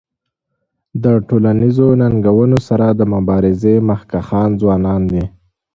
د ټولنیزو ننګونو سره د مبارزې مخکښان ځوانان دي.